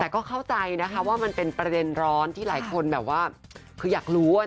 แต่ก็เข้าใจว่ามันเป็นประเด็นร้อนที่หลายคนคืออยากรู้